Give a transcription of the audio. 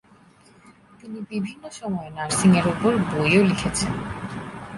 তিনি বিভিন্ন সময় নার্সিংয়ের উপর বইও লিখেছেন।